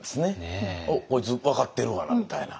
「おっこいつ分かってるがな」みたいな。